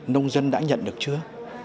nông dân đã nhận được chưa